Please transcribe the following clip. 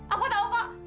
aku tahu kok